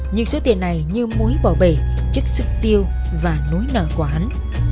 nhưng số tiền này như muối bỏ bể chức sức tiêu và núi nở của hắn